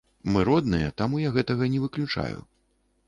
Мы родныя, таму я гэтага не выключаю.